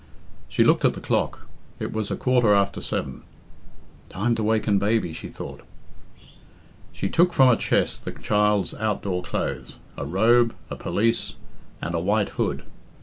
She looked at the clock it was a quarter after seven. "Time to waken baby," she thought. She took from a chest the child's outdoor clothes a robe, a pelisse, and a white hood.